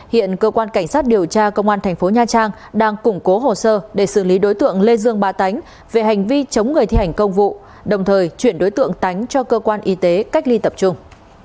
hiện cơ quan cảnh sát điều tra công an thành phố nha trang đang củng cố hồ sơ để xử lý đối tượng lê dương ba tánh về hành vi chống người thi hành công vụ đồng thời chuyển đối tượng tánh cho cơ quan y tế cách ly tập trung